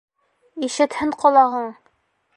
Ишетһен ҡолағың!